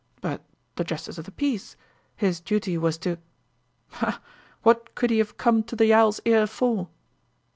"But the justice of the peace? His duty was to " "Ha! What could he have come to the Owl's Ear for?"